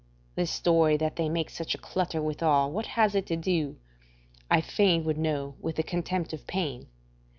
This story that they make such a clutter withal, what has it to do, I fain would know, with the contempt of pain?